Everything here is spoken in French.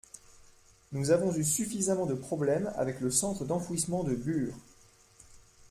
Nous avons eu suffisamment de problèmes avec le centre d’enfouissement de Bure.